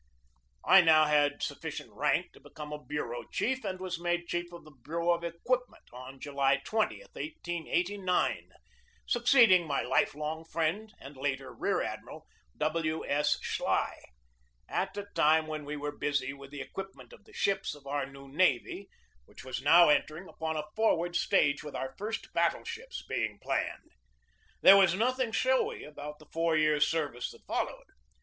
I now had sufficient rank to become a bureau chief, and was made chief of the bureau of equip ment on July 20, 1889, succeeding my life long friend the later Rear Admiral W. S. Schley, at a time when we were busy with the equipment of the ships of our new navy, which was now entering upon a for ward stage with our first battle ships being planned. There was nothing showy about the four years' ser vice that followed.